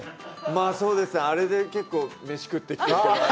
まあ、そうですね、あれで結構飯食ってきて。